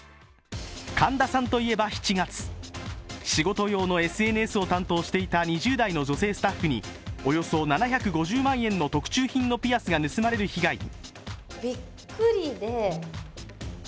神田さんといえば７月、仕事用のＳＮＳを担当していた２０代の女性スタッフにおよそ７５０万円の特注品のピアスが盗まれる被害に。